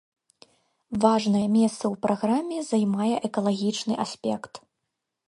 Важнае месца ў праграме займае экалагічны аспект.